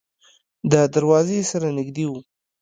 د دروازې سره نږدې و.